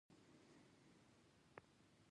د خټې له صفحې تیارېدو وروسته نښانې وباسئ.